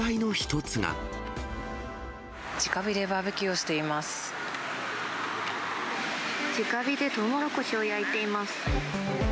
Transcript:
直火でバーベキューをしてい直火でとうもろこしを焼いています。